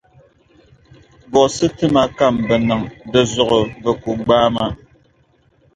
Buɣisi ti ma ka m bi niŋ, di zuɣu bɛ ku gbaai ma.